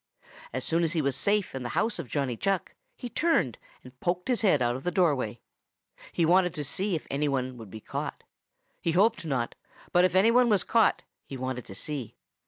As soon as he was safe in the old house of Johnny Chuck, he turned and poked his head out of the doorway. He wanted to see if any one would be caught. He hoped not, but if any one was caught, he wanted to see.